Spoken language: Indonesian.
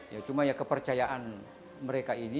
ya cuma ya kepercayaan mereka ini